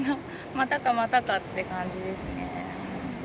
またか、またかという感じですね。